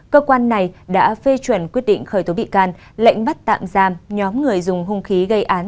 cơ quan này đã phê chuẩn quyết định khởi tố bị can lệnh bắt tạm giam nhóm người dùng hung khí gây án